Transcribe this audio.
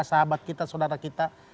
sahabat kita saudara kita